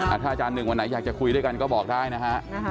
ถ้าอาจารย์หนึ่งวันไหนอยากจะคุยด้วยกันก็บอกได้นะฮะ